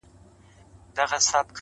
• قافلې پر لويو لارو لوټېدلې,